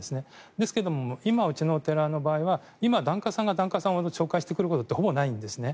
ですけども今、うちの寺の場合は今、檀家さんが檀家さんを紹介してくることはほぼないんですね。